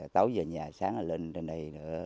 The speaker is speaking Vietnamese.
tối về nhà sáng là lên trên đây